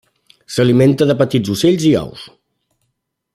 S'alimenta de petits ocells i ous.